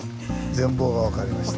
全貌が分かりました。